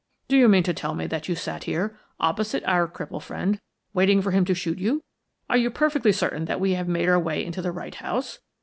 Do you mean to tell me that you sat here, opposite our cripple friend, waiting for him to shoot you? Are you perfectly certain that we have made our way into the right house?